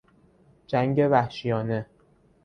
جنگ وحشیانه